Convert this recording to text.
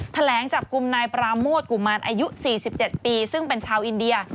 แถลงจับกลุ่มนายปราโมทกุมารอายุ๔๗ปีซึ่งเป็นชาวอินเดีย